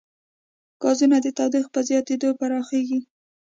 ګازونه د تودوخې په زیاتېدو پراخېږي.